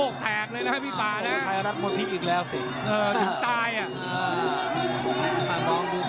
คงจะลำบากนะอย่างยากมากนี่ยังแข็งแรงเลย